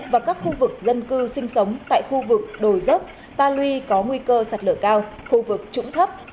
và các khu vực dân cư sinh sống tại khu vực đồi dốc ta lui có nguy cơ sạt lửa cao khu vực trũng thấp